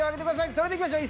それではいきましょう。